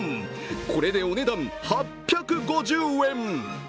これで、お値段８５０円。